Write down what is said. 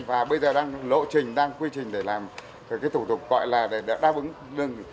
và bây giờ đang lộ trình đang quy trình để làm cái thủ tục gọi là để đáp ứng